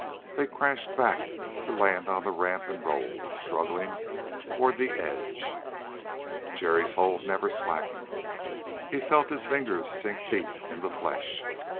They crashed back, to land on the ramp and roll, struggling, toward the edge. Jerry's hold never slackened. He felt his fingers sink deep in the flesh.